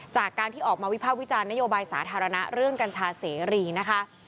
จากการที่ออกมาวิภาควิจารณ์นโยบายสาธารณะเรื่องกัญชาเสรีนะคะ